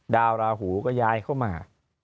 ราหูก็ย้ายเข้ามา